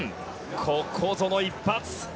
ここぞの一発。